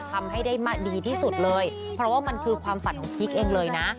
ทำให้ได้ดีที่สุดเลยเพราะว่ามันคือความฝันของพีคเองเลยนะ